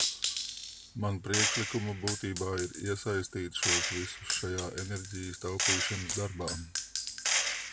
Manu priekšlikumu būtība ir iesaistīt šos visus šajā enerģijas taupīšanas darbā.